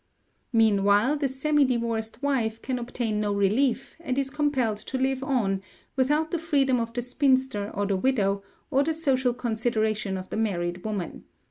Meanwhile the semi divorced wife can obtain no relief, and is compelled to live on, without the freedom of the spinster or the widow, or the social consideration of the married woman.